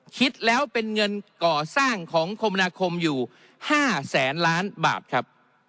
คิดแล้วเป็นเงินก่อสร้างของคมนาคมอยู่๕แสนล้านบาทครับ